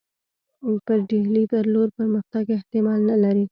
پر ډهلي پر لور پرمختګ احتمال نه لري.